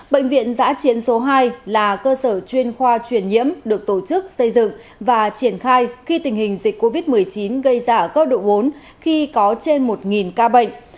bệnh viện giã chiến số hai là cơ sở chuyên khoa truyền nhiễm được tổ chức xây dựng và triển khai khi tình hình dịch covid một mươi chín gây ra ở cấp độ bốn khi có trên một ca bệnh